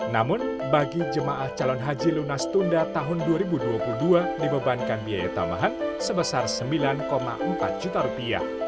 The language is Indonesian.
namun bagi jemaah calon haji lunas tunda tahun dua ribu dua puluh dua dibebankan biaya tambahan sebesar rp sembilan empat juta rupiah